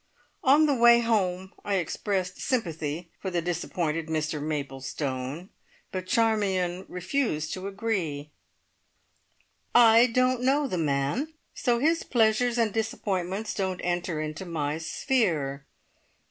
On the way home I expressed sympathy for the disappointed Mr Maplestone, but Charmion refused to agree. "I don't know the man, so his pleasures and disappointments don't enter into my sphere.